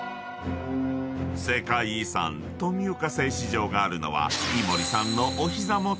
［世界遺産富岡製糸場があるのは井森さんのお膝元］